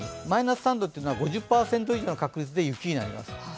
マイナス３度というのは５０％以上の確率で雪になります。